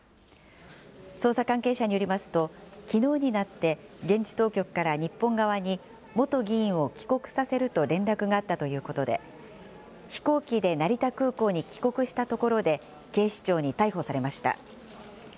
捜査関係者によりますと、きのうになって現地当局から日本側に、元議員を帰国させると連絡があったということで、飛行機で成田空港に帰国したところで警視庁に逮捕されました。